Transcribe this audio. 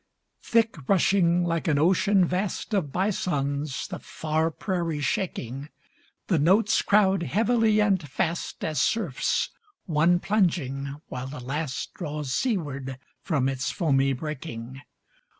Thick rushing, like an ocean vast Of bisons the far prairie shaking, The notes crowd heavily and fast As surfs, one plunging while the last Draws seaward from its foamy breaking.